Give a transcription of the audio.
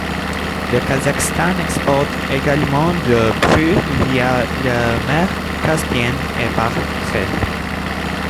Le Kazakhstan exporte également du brut via la Mer Caspienne et par rail.